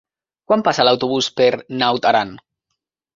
Quan passa l'autobús per Naut Aran?